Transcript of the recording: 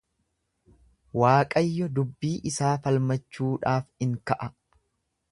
Waaqayyo dubbii isaa falmachuudhaaf in ka'a.